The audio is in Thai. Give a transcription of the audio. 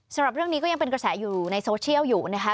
สำหรับเรื่องนี้ก็ยังเป็นกระแสอยู่ในโซเชียลอยู่นะคะ